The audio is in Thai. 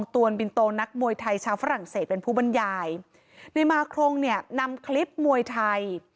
ตวนบินโตนักมวยไทยชาวฝรั่งเศสเป็นผู้บรรยายในมาโครงเนี่ยนำคลิปมวยไทย